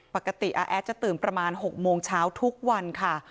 ปกติอาแอดจะตื่นประมาณ๖โมงเช้าทุกวันค่ะ